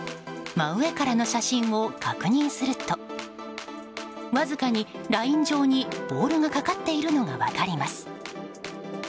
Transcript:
真上からの写真を確認するとわずかにライン上にボールがかかっているのが分かります。